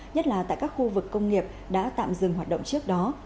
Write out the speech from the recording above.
nhất là tại các khu vực công nghiệp đã tạm dừng hoạt động trước đó